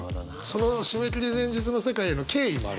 その締め切り前日の世界への敬意もあるわけですね。